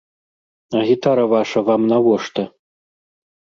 А гітара ваша вам навошта?